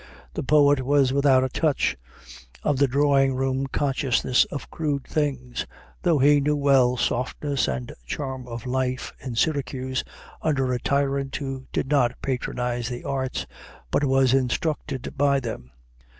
The poet was without a touch of the drawing room consciousness of crude things, though he knew well softness and charm of life in Syracuse under a tyrant who did not "patronize the arts," but was instructed by them.